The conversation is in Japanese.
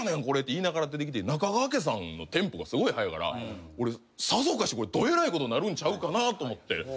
これ」って言いながら出てきて中川家さんのテンポがすごい速いから俺さぞかしこれどえらいことなるんちゃうかなと思って。